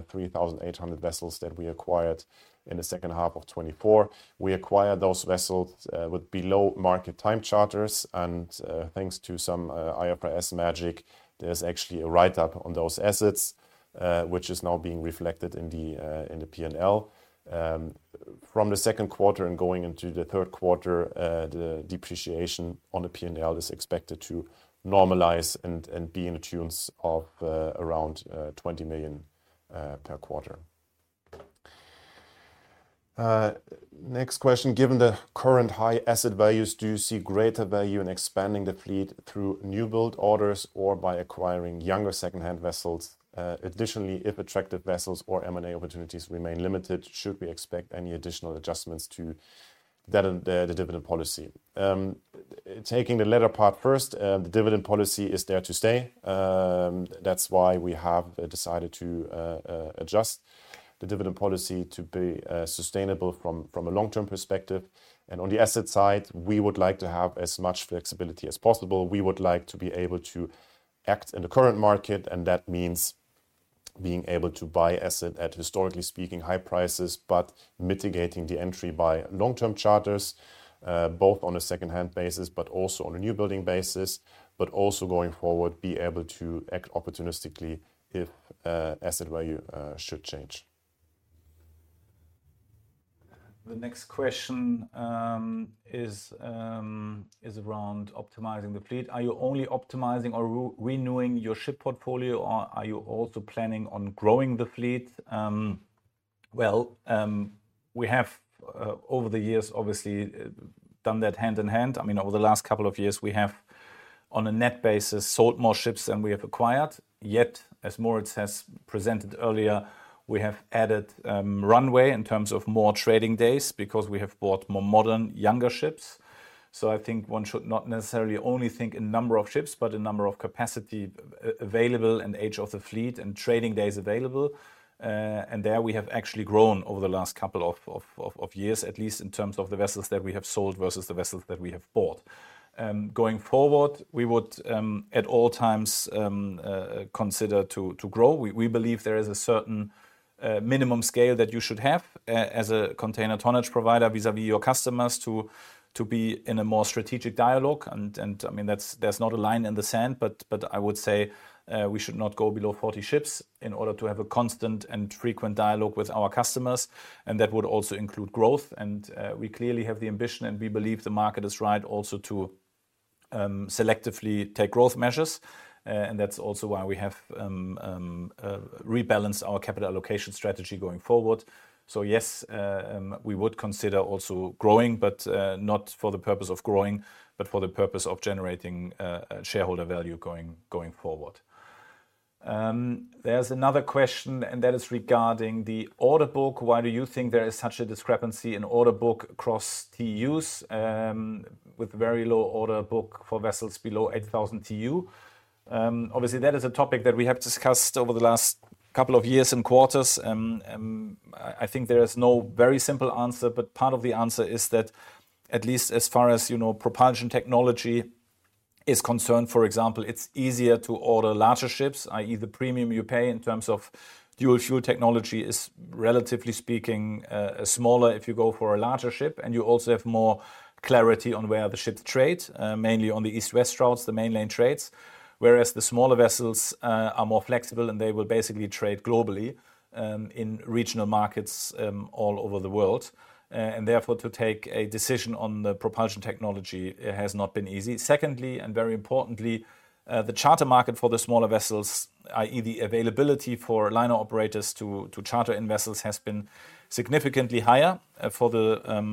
3,800 vessels that we acquired in the second half of 2024. We acquired those vessels with below-market time charters, and thanks to some IFRS magic, there is actually a write-up on those assets, which is now being reflected in the P&L. From the second quarter and going into the third quarter, the depreciation on the P&L is expected to normalize and be in the tunes of around $20 million per quarter. Next question. Given the current high asset values, do you see greater value in expanding the fleet through new build orders or by acquiring younger second-hand vessels?. Additionally, if attractive vessels or M&A opportunities remain limited, should we expect any additional adjustments to the dividend policy?. Taking the latter part first, the dividend policy is there to stay. That is why we have decided to adjust the dividend policy to be sustainable from a long-term perspective. On the asset side, we would like to have as much flexibility as possible. We would like to be able to act in the current market, and that means being able to buy asset at, historically speaking, high prices but mitigating the entry by long-term charters, both on a second-hand basis, but also on a new building basis, but also going forward, be able to act opportunistically if asset value should change. The next question is around optimizing the fleet. Are you only optimizing or renewing your ship portfolio, or are you also planning on growing the fleet?. I mean, over the years, obviously, we have done that hand in hand. I mean, over the last couple of years, we have, on a net basis, sold more ships than we have acquired. Yet, as Moritz has presented earlier, we have added runway in terms of more trading days because we have bought more modern, younger ships. I think one should not necessarily only think in number of ships, but in number of capacity available and age of the fleet and trading days available. There we have actually grown over the last couple of years, at least in terms of the vessels that we have sold versus the vessels that we have bought. Going forward, we would at all times consider to grow. We believe there is a certain minimum scale that you should have as a container tonnage provider vis-à-vis your customers to be in a more strategic dialogue. I mean, there's not a line in the sand, but I would say we should not go below 40 ships in order to have a constant and frequent dialogue with our customers. That would also include growth. We clearly have the ambition, and we believe the market is right also to selectively take growth measures. That is also why we have rebalanced our capital allocation strategy going forward. Yes, we would consider also growing, but not for the purpose of growing, but for the purpose of generating shareholder value going forward. There's another question, and that is regarding the order book. Why do you think there is such a discrepancy in order book across TEUs with very low order book for vessels below 8,000 TEU?. Obviously, that is a topic that we have discussed over the last couple of years and quarters. I think there is no very simple answer, but part of the answer is that at least as far as propulsion technology is concerned, for example, it is easier to order larger ships, i.e., the premium you pay in terms of fuel technology is, relatively speaking, smaller if you go for a larger ship. You also have more clarity on where the ships trade, mainly on the east-west routes, the mainline trades, whereas the smaller vessels are more flexible and they will basically trade globally in regional markets all over the world. Therefore, to take a decision on the propulsion technology has not been easy. Secondly, and very importantly, the charter market for the smaller vessels, i.e., the availability for liner operators to charter in vessels has been significantly higher for the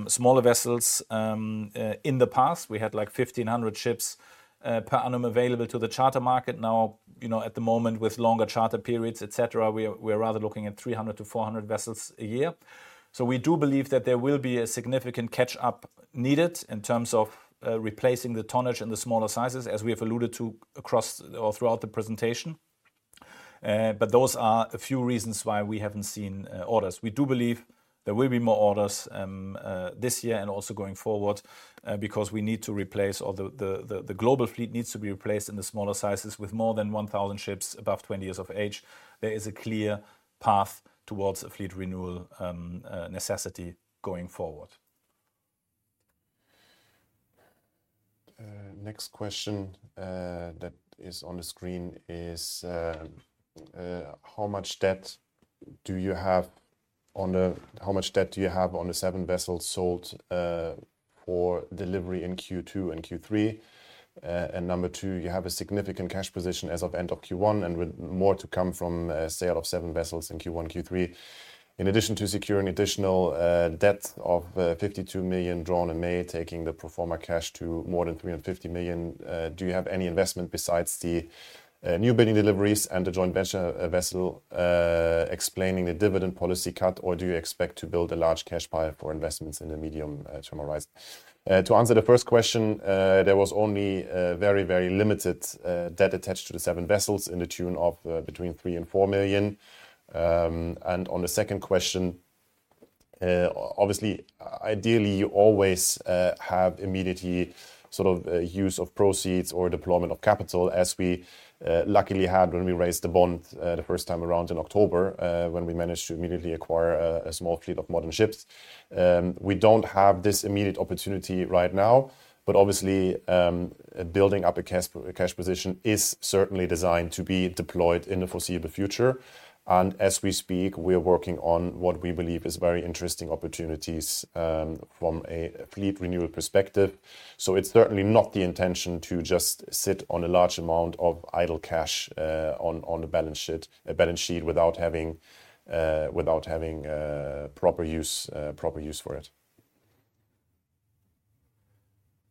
smaller vessels. In the past, we had like 1,500 ships per annum available to the charter market. Now, at the moment, with longer charter periods, etc., we're rather looking at 300-400 vessels a year. We do believe that there will be a significant catch-up needed in terms of replacing the tonnage in the smaller sizes, as we have alluded to across or throughout the presentation. Those are a few reasons why we haven't seen orders. We do believe there will be more orders this year and also going forward because we need to replace all the global fleet needs to be replaced in the smaller sizes with more than 1,000 ships above 20 years of age. There is a clear path towards a fleet renewal necessity going forward. Next question that is on the screen is, how much debt do you have on the seven vessels sold for delivery in Q2 and Q3?. Number two, you have a significant cash position as of end of Q1 and with more to come from sale of seven vessels in Q1, Q3. In addition to securing additional debt of $52 million drawn in May, taking the proforma cash to more than $350 million, do you have any investment besides the new building deliveries and the joint venture vessel explaining the dividend policy cut, or do you expect to build a large cash pile for investments in the medium term horizon?. To answer the first question, there was only very, very limited debt attached to the seven vessels in the tune of between $3 million and $4 million. On the second question, obviously, ideally, you always have immediate use of proceeds or deployment of capital, as we luckily had when we raised the bond the first time around in October when we managed to immediately acquire a small fleet of modern ships. We do not have this immediate opportunity right now, but obviously, building up a cash position is certainly designed to be deployed in the foreseeable future. As we speak, we are working on what we believe is very interesting opportunities from a fleet renewal perspective. It is certainly not the intention to just sit on a large amount of idle cash on a balance sheet without having proper use for it.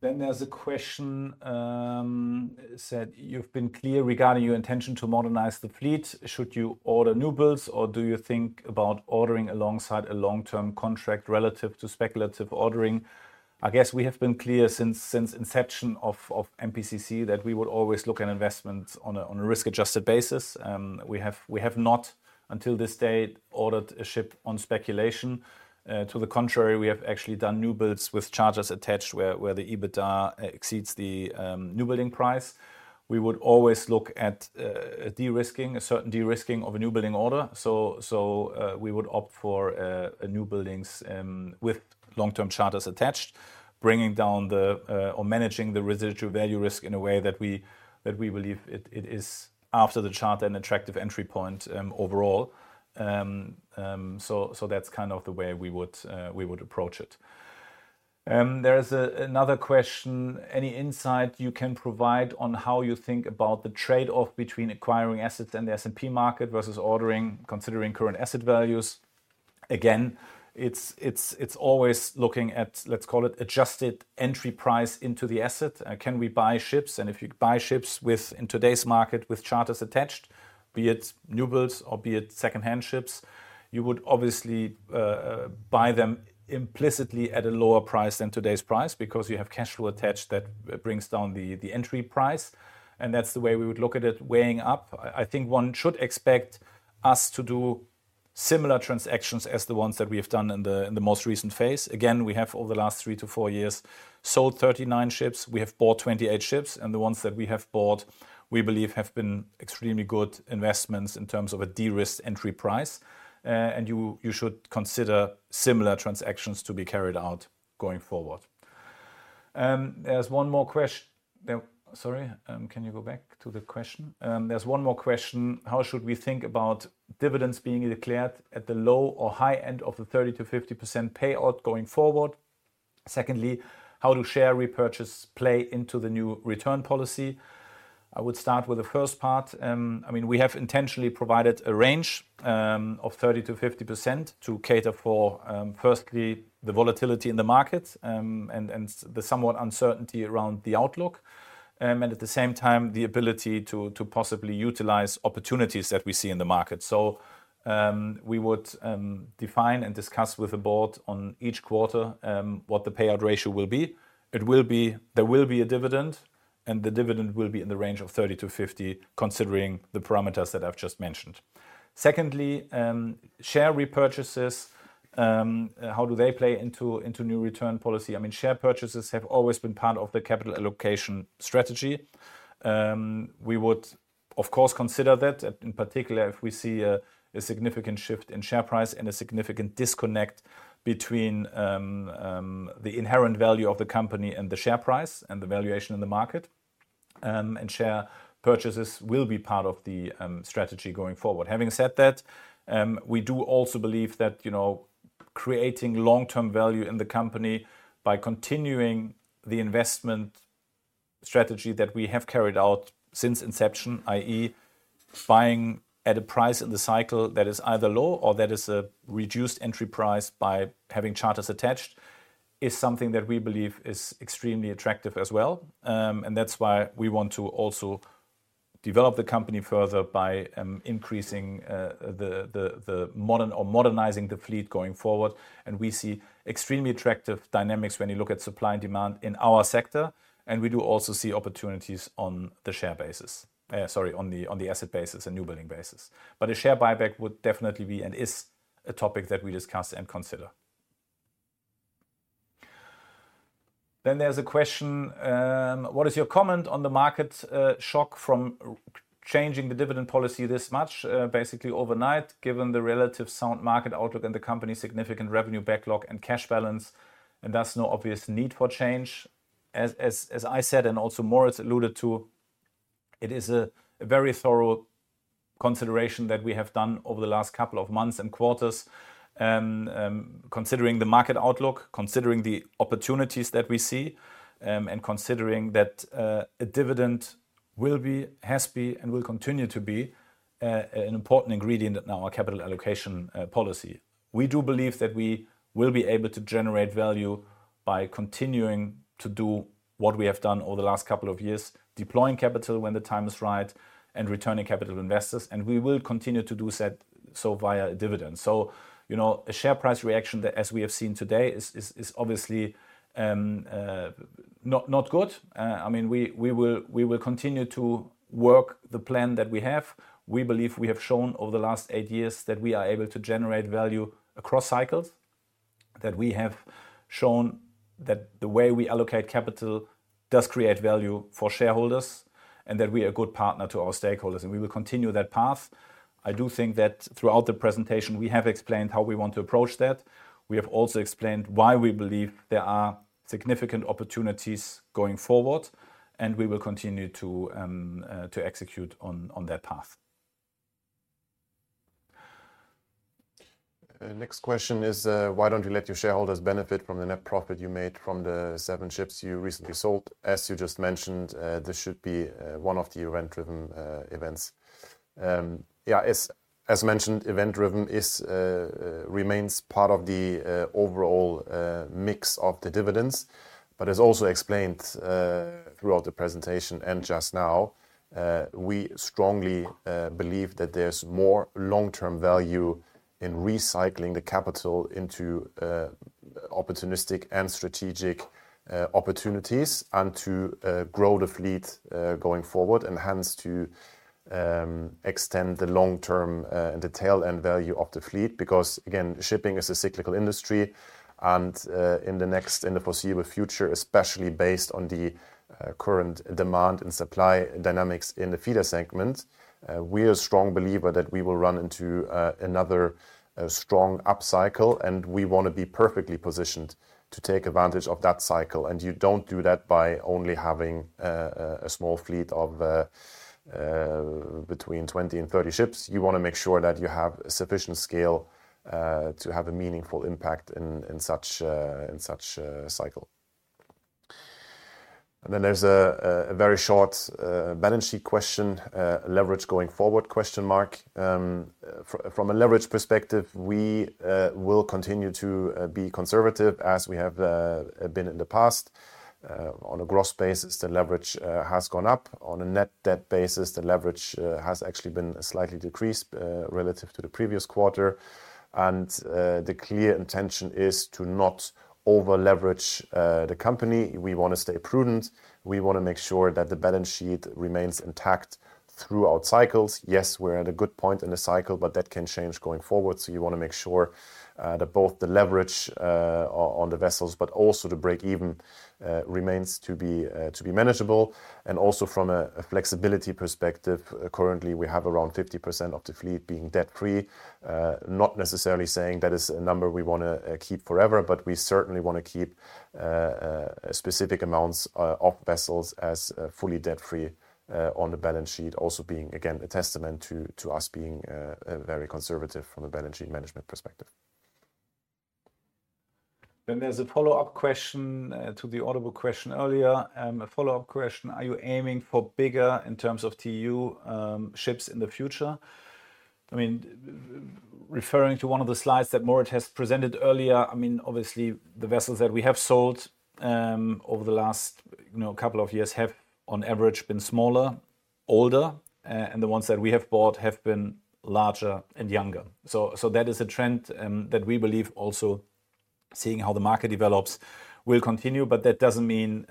There is a question that says, you've been clear regarding your intention to modernize the fleet. Should you order new builds, or do you think about ordering alongside a long-term contract relative to speculative ordering?. I guess we have been clear since inception of MPCC that we would always look at investments on a risk-adjusted basis. We have not, until this date, ordered a ship on speculation. To the contrary, we have actually done new builds with charters attached where the EBITDA exceeds the new building price. We would always look at a de-risking, a certain de-risking of a new building order. We would opt for new buildings with long-term charters attached, bringing down or managing the residual value risk in a way that we believe it is, after the charter, an attractive entry point overall. That is kind of the way we would approach it. There is another question. Any insight you can provide on how you think about the trade-off between acquiring assets and the S&P market versus ordering, considering current asset values?. Again, it's always looking at, let's call it, adjusted entry price into the asset. Can we buy ships?. And if you buy ships with, in today's market, with charters attached, be it new builds or be it second-hand ships, you would obviously buy them implicitly at a lower price than today's price because you have cash flow attached that brings down the entry price. That's the way we would look at it weighing up. I think one should expect us to do similar transactions as the ones that we have done in the most recent phase. Again, we have, over the last three to four years, sold 39 ships. We have bought 28 ships. The ones that we have bought, we believe, have been extremely good investments in terms of a de-risked entry price. You should consider similar transactions to be carried out going forward. There is one more question. Sorry, can you go back to the question?. There is one more question. How should we think about dividends being declared at the low or high end of the 30%-50% payout going forward?. Secondly, how do share repurchase play into the new return policy?. I would start with the first part. I mean, we have intentionally provided a range of 30%-50% to cater for, firstly, the volatility in the market and the somewhat uncertainty around the outlook. At the same time, the ability to possibly utilize opportunities that we see in the market. We would define and discuss with the board on each quarter what the payout ratio will be. There will be a dividend, and the dividend will be in the range of 30%-50%, considering the parameters that I've just mentioned. Secondly, share repurchases, how do they play into new return policy?. I mean, share purchases have always been part of the capital allocation strategy. We would, of course, consider that, in particular, if we see a significant shift in share price and a significant disconnect between the inherent value of the company and the share price and the valuation in the market. Share purchases will be part of the strategy going forward. Having said that, we do also believe that creating long-term value in the company by continuing the investment strategy that we have carried out since inception, i.e., buying at a price in the cycle that is either low or that is a reduced entry price by having charters attached, is something that we believe is extremely attractive as well. That is why we want to also develop the company further by increasing the modern or modernizing the fleet going forward. We see extremely attractive dynamics when you look at supply and demand in our sector. We do also see opportunities on the share basis, sorry, on the asset basis and new building basis. A share buyback would definitely be and is a topic that we discuss and consider. There is a question. What is your comment on the market shock from changing the dividend policy this much, basically overnight, given the relatively sound market outlook and the company's significant revenue backlog and cash balance, and thus no obvious need for change?. As I said, and also Moritz alluded to, it is a very thorough consideration that we have done over the last couple of months and quarters, considering the market outlook, considering the opportunities that we see, and considering that a dividend will be, has been, and will continue to be an important ingredient in our capital allocation policy. We do believe that we will be able to generate value by continuing to do what we have done over the last couple of years, deploying capital when the time is right and returning capital investors. We will continue to do so via dividends. A share price reaction that, as we have seen today, is obviously not good. I mean, we will continue to work the plan that we have. We believe we have shown over the last eight years that we are able to generate value across cycles, that we have shown that the way we allocate capital does create value for shareholders, and that we are a good partner to our stakeholders. We will continue that path. I do think that throughout the presentation, we have explained how we want to approach that. We have also explained why we believe there are significant opportunities going forward, and we will continue to execute on that path. Next question is, why do you not let your shareholders benefit from the net profit you made from the seven ships you recently sold?. As you just mentioned, this should be one of the event-driven events. Yeah, as mentioned, event-driven remains part of the overall mix of the dividends. As also explained throughout the presentation and just now, we strongly believe that there's more long-term value in recycling the capital into opportunistic and strategic opportunities and to grow the fleet going forward, and hence to extend the long-term and the tail end value of the fleet. Because, again, shipping is a cyclical industry. In the next, in the foreseeable future, especially based on the current demand and supply dynamics in the feeder segment, we are a strong believer that we will run into another strong upcycle. We want to be perfectly positioned to take advantage of that cycle. You do not do that by only having a small fleet of between 20 and 30 ships. You want to make sure that you have sufficient scale to have a meaningful impact in such a cycle. There is a very short balance sheet question, leverage going-forward?. From a leverage perspective, we will continue to be conservative as we have been in the past. On a gross basis, the leverage has gone up. On a net debt basis, the leverage has actually been slightly decreased relative to the previous quarter. The clear intention is to not over-leverage the company. We want to stay prudent. We want to make sure that the balance sheet remains intact throughout cycles. Yes, we are at a good point in the cycle, but that can change going forward. You want to make sure that both the leverage on the vessels, but also the break-even remains to be manageable. Also from a flexibility perspective, currently, we have around 50% of the fleet being debt-free. Not necessarily saying that is a number we want to keep forever, but we certainly want to keep specific amounts of vessels as fully debt-free on the balance sheet, also being, again, a testament to us being very conservative from a balance sheet management perspective. There is a follow-up question to the audible question earlier. A follow-up question, are you aiming for bigger in terms of TEU ships in the future?. I mean, referring to one of the slides that Moritz has presented earlier, I mean, obviously, the vessels that we have sold over the last couple of years have, on average, been smaller, older, and the ones that we have bought have been larger and younger. That is a trend that we believe, also seeing how the market develops, will continue. That does not mean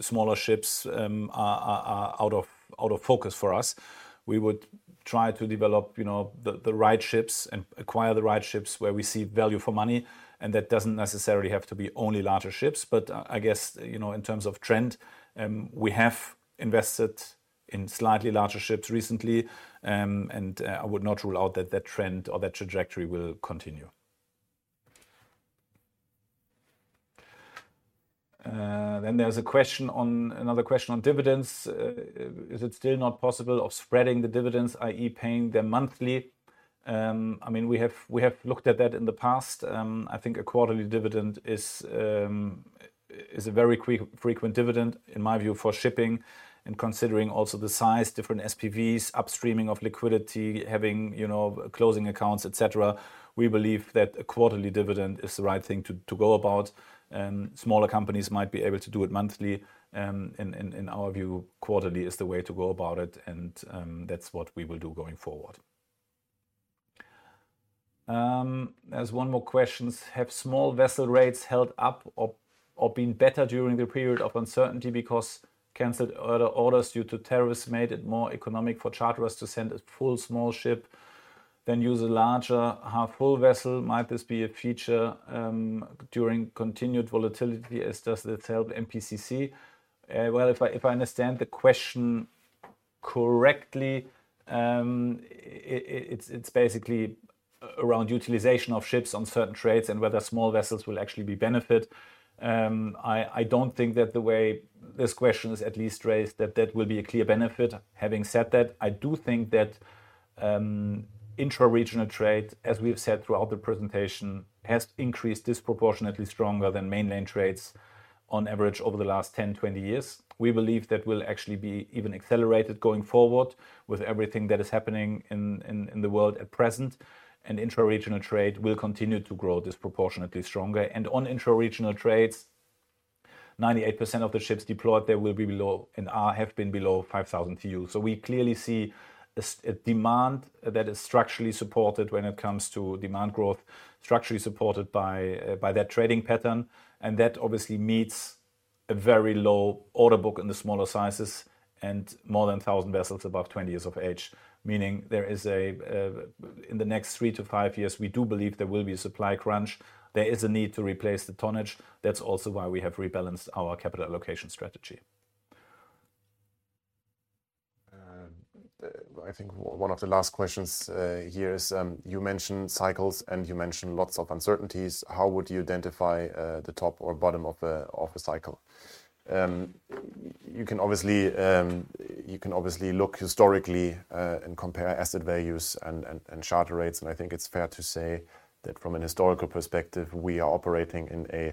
smaller ships are out of focus for us. We would try to develop the right ships and acquire the right ships where we see value for money. That does not necessarily have to be only larger ships. I guess in terms of trend, we have invested in slightly larger ships recently. I would not rule out that that trend or that trajectory will continue. There is another question on dividends. Is it still not possible of spreading the dividends, i.e., paying them monthly?. I mean, we have looked at that in the past. I think a quarterly dividend is a very frequent dividend, in my view, for shipping. Considering also the size, different SPVs, upstreaming of liquidity, having closing accounts, etc., we believe that a quarterly dividend is the right thing to go about. Smaller companies might be able to do it monthly. In our view, quarterly is the way to go about it. That is what we will do going forward. There is one more question. Have small vessel rates held up or been better during the period of uncertainty because canceled orders due to tariffs made it more economic for charters to send a full small ship than use a larger half-full vessel?. Might this be a feature during continued volatility, as does the MPCC?. If I understand the question correctly, it is basically around utilization of ships on certain trades and whether small vessels will actually be benefit. I do not think that the way this question is at least raised, that that will be a clear benefit. Having said that, I do think that intraregional trade, as we have said throughout the presentation, has increased disproportionately stronger than mainland trades on average over the last 10, 20 years. We believe that will actually be even accelerated going forward with everything that is happening in the world at present. Intraregional trade will continue to grow disproportionately stronger. On intraregional trades, 98% of the ships deployed there will be below and have been below 5,000 TEU. We clearly see a demand that is structurally supported when it comes to demand growth, structurally supported by that trading pattern. That obviously meets a very low order book in the smaller sizes and more than 1,000 vessels above 20 years of age. Meaning there is, in the next three to five years, we do believe there will be a supply crunch. There is a need to replace the tonnage. That is also why we have rebalanced our capital allocation strategy. I think one of the last questions here is, you mentioned cycles and you mentioned lots of uncertainties. How would you identify the top or bottom of a cycle?. You can obviously look historically and compare asset values and charter rates. I think it's fair to say that from a historical perspective, we are operating in a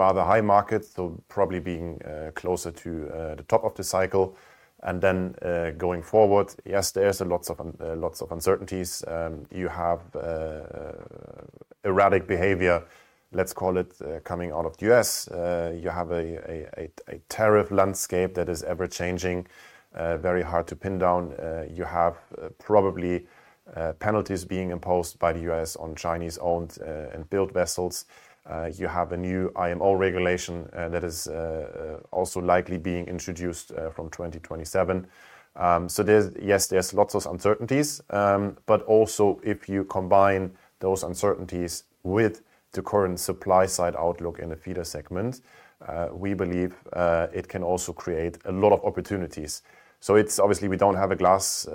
rather high market, so probably being closer to the top of the cycle. Going forward, yes, there's lots of uncertainties. You have erratic behavior, let's call it, coming out of the U.S. You have a tariff landscape that is ever-changing, very hard to pin down. You have probably penalties being imposed by the U.S. on Chinese-owned and built vessels. You have a new IMO regulation that is also likely being introduced from 2027. Yes, there's lots of uncertainties. Also, if you combine those uncertainties with the current supply-side outlook in the feeder segment, we believe it can also create a lot of opportunities. Obviously, we don't have a glass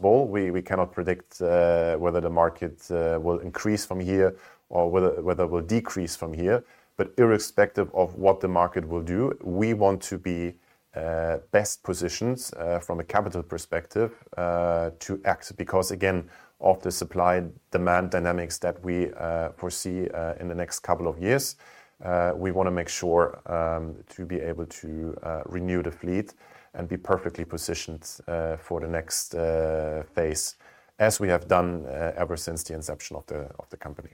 ball. We cannot predict whether the market will increase from here or whether it will decrease from here. Irrespective of what the market will do, we want to be best positioned from a capital perspective to act. Because, again, of the supply-demand dynamics that we foresee in the next couple of years, we want to make sure to be able to renew the fleet and be perfectly positioned for the next phase, as we have done ever since the inception of the company.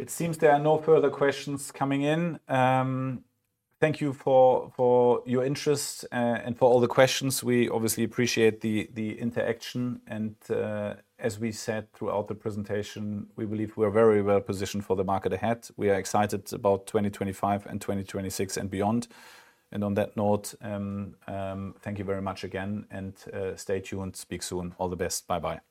It seems there are no further questions coming in. Thank you for your interest and for all the questions. We obviously appreciate the interaction. As we said throughout the presentation, we believe we are very well positioned for the market ahead. We are excited about 2025 and 2026 and beyond. Thank you very much again. Stay tuned. Speak soon. All the best. Bye-bye.